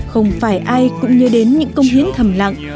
không phải ai cũng nhớ đến những công hiến thầm lặng